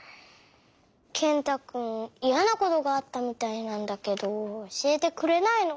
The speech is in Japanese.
ケンタくんイヤなことがあったみたいなんだけどおしえてくれないの。